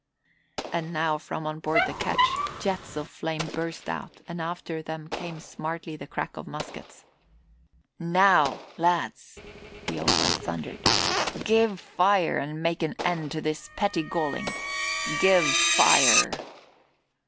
And now from on board the ketch jets of flame burst out and after them came smartly the crack of muskets. "Now, lads," the Old One thundered, "give fire and make an end of this petty galling. Give fire!"